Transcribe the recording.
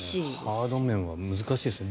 ハード面は難しいですね。